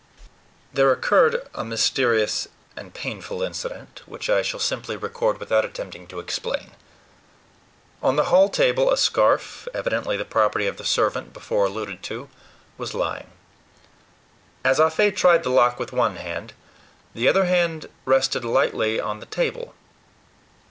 There occurred a mysterious and painful incident, which I shall simply record without attempting to explain. On the hall table a scarf, evidently the property of the servant before alluded to, was lying. As Ah Fe tried the lock with one hand, the other rested lightly on the table.